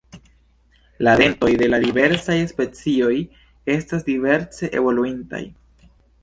La dentoj de la diversaj specioj estas diverse evoluintaj.